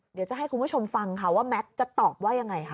เดี๋ยวจะให้คุณผู้ชมฟังค่ะว่าแม็กซ์จะตอบว่ายังไงคะ